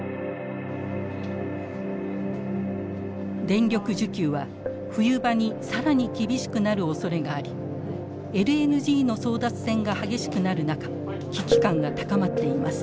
電力需給は冬場に更に厳しくなるおそれがありＬＮＧの争奪戦が激しくなる中危機感が高まっています。